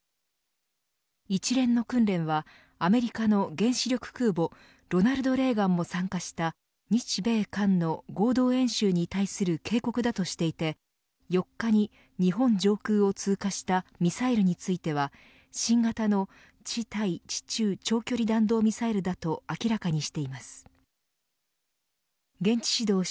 一連の訓練はアメリカの原子力空母ロナルド・レーガンも参加した日米韓の合同演習に対する警告だとしていて４日に日本上空を通過したミサイルについては新型の地対地中長距離弾道ミサイルと明らかにしています。